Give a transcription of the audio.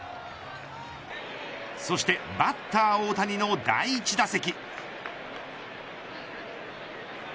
そしてバッター大谷の第１打席。